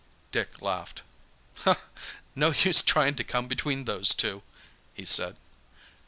Dick laughed. "No use trying to come between those two," he said.